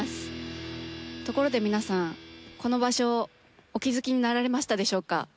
ところで皆さんこの場所お気付きになられましたでしょうか？